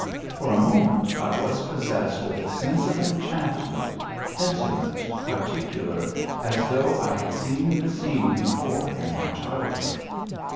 For a moment I was possessed with a sense of enchantment, intimate, particular, as though I had seen the scene before in my childhood.